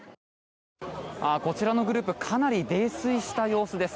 こちらのグループはかなり泥酔した様子です。